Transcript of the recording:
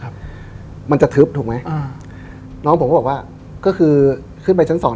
ครับมันจะทึบถูกไหมอ่าน้องผมก็บอกว่าก็คือขึ้นไปชั้นสอง